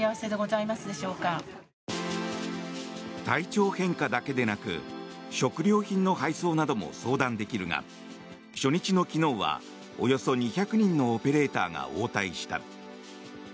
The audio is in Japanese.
体調変化だけでなく食料品の配送なども相談できるが初日の昨日はおよそ２００人のオペレーターが応対した。